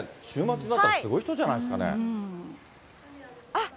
あっ。